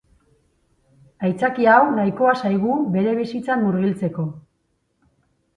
Aitzakia hau nahikoa zaigu bere bizitzan murgiltzeko.